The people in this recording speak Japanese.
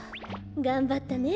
がんばったね。